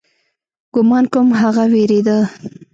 ګومان کوم هغه وېرېده.